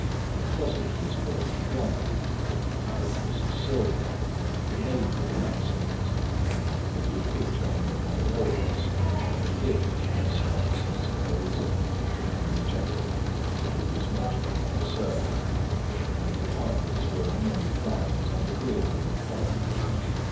A closet was filled with wine; the plate was of silver, the napery elegant; a good picture hung upon the walls, a gift (as Utterson supposed) from Henry Jekyll, who was much of a connoisseur; and the carpets were of many plies and agreeable in colour.